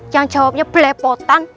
yang jawabnya belepotan